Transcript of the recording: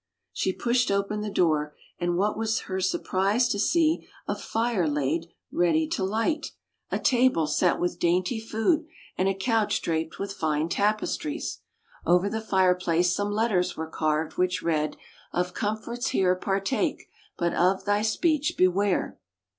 She pushed open the door, and what was her surprise to see a fire laid ready to light, [ 73 ] FAVORITE FAIRY TALES RETOLD a table set with dainty food, and a couch draped with fine tapestries. Over the fire place some letters were carved, which read, "Of comforts here, partake; but of thy speech beware!